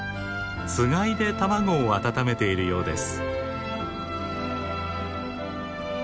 つがいで卵を温めているようです。